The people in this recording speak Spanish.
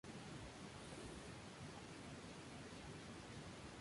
El río es el tercero en longitud de Noruega.